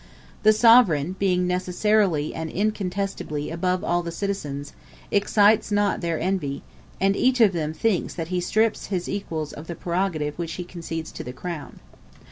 The sovereign, being necessarily and incontestably above all the citizens, excites not their envy, and each of them thinks that he strips his equals of the prerogative which he concedes to the crown.